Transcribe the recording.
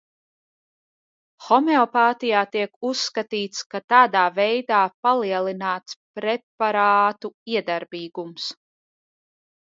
Homeopātijā tiek uzskatīts, ka tādā veidā palielināts preparātu iedarbīgums.